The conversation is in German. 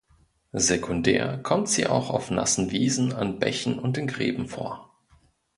Sekundär kommt sie auch auf nassen Wiesen, an Bächen und in Gräben vor.